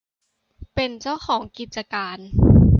เป็นเจ้าของกิจการ